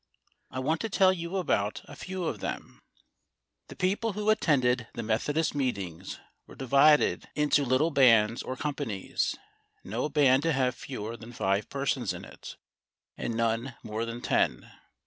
I want to tell you about a few of them. The people who attended the Methodist meetings were divided into little bands or companies, no band to have fewer than five persons in it, and none more than ten.